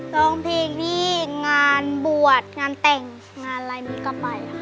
ร้องเพลงที่งานบวชงานแต่งงานอะไรนี้ก็ไปค่ะ